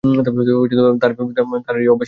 তার এই অভ্যাস কখন যাবে?